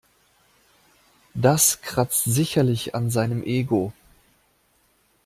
Das kratzt sicherlich an seinem Ego.